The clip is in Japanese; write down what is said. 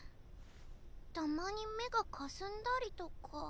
たまに目がかすんだりとか。